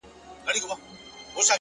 مثبت ذهن د بدلون هرکلی کوي